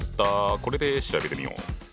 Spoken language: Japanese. これで調べてみよう。